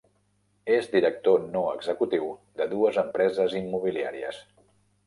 És director no executiu de dues empreses immobiliàries.